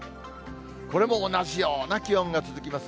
これも同じような気温が続きます。